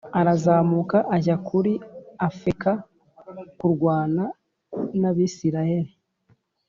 arazamuka ajya kuri Afeka kurwana n’Abisirayeli